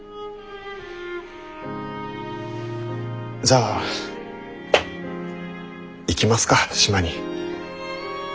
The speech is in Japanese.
じゃあ行きますか島に。